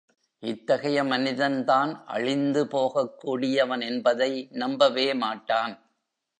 இத்தகைய மனிதன் தான் அழிந்து போகக் கூடியவன் என்பதை நம்பவே மாட்டான்.